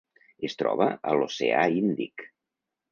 Es troba a l'Oceà Índic.